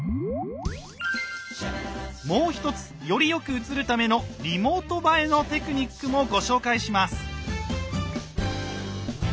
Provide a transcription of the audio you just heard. もう一つよりよく映るための「リモート映え」のテクニックもご紹介します。